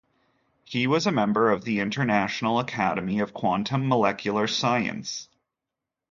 He was a member of the International Academy of Quantum Molecular Science.